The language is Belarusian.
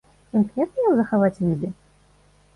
Імкнецца ён захаваць віды?